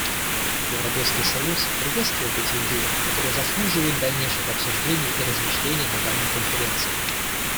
Европейский союз приветствует эти идеи, которые заслуживают дальнейших обсуждений и размышлений на данной Конференции.